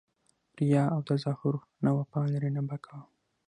ریاء او تظاهر نه وفا لري نه بقاء!